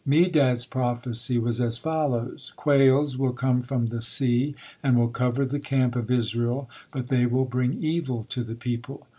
Medad's prophecy was as follows: "Quails will come from the sea and will cover the camp of Israel, but they will bring evil to the people."